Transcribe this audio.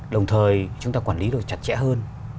đồng thời chúng ta quản lý được chặt chẽ hơn